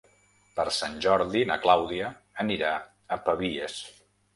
Per Sant Jordi na Clàudia anirà a Pavies.